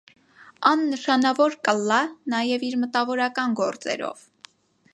Ան նշանաւոր կ՛ըլլայ նաեւ իր մտաւորական գործերով։